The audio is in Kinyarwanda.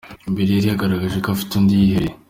Mbere yari yagaragaje ko afite undi yihebeye.